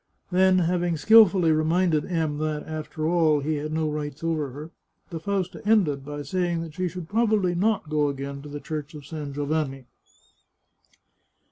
Then, having skilfully reminded M that, after all, he had no rights over her, the Fausta ended by saying that she should probably not go again to the Church of San Giovanni.